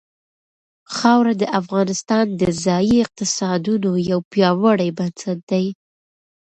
خاوره د افغانستان د ځایي اقتصادونو یو پیاوړی بنسټ دی.